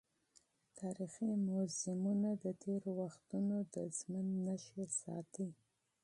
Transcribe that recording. تاریخي موزیمونه د تېرو وختونو د ژوند نښې ساتي.